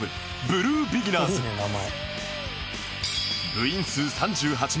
部員数３８名